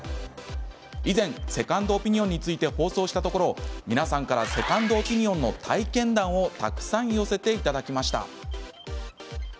以前セカンドオピニオンについて放送したところ、皆さんからセカンドオピニオンの体験談をたくさん寄せていただきました。